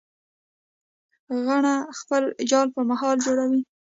غڼه خپل جال په مهارت جوړوي